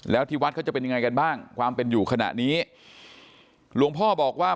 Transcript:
แล้วที่วัดเขาจะเป็นยังไงกันบ้างความเป็นอยู่ขณะนี้หลวงพ่อบอกว่า